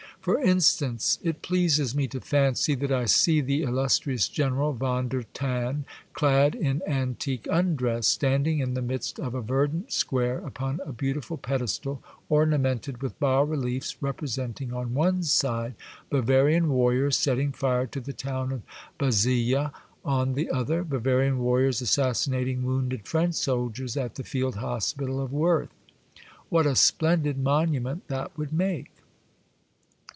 For instance, it pleases me to fancy that I see the illustrious General von der Than, clad in antique undress, standing in the midst of a verdant square, upon a beautiful pedestal, ornamented with bas reliefs representing on one side Bavarian Warriors setting fire to the town of Bazeilles, on the other. Bavarian Warriors assassinating wounded French soldiers at the field hospital of Woerth. What a splendid monument that would make